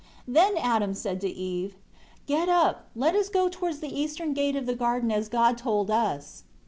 14 Then Adam said to Eve, "Get up, let us go towards the eastern gate of the garden as God told us."